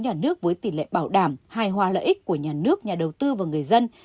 nhà nước với tỷ lệ bảo đảm hài hòa lợi ích của nhà nước nhà đầu tư và người dân